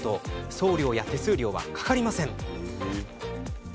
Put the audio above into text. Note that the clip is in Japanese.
送料や手数料は、かかりません。